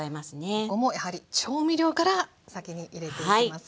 ここもやはり調味料から先に入れていきますね。